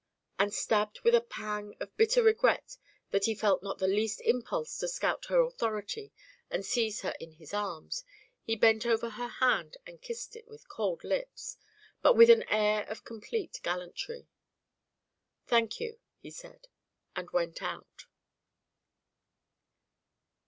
And stabbed with a pang of bitter regret that he felt not the least impulse to scout her authority and seize her in his arms, he bent over her hand and kissed it with cold lips, but with an air of complete gallantry. "Thank you," he said, and went out.